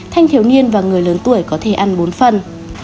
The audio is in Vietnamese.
thanh thiếu niên và người lớn tuổi có thể ăn bốn phần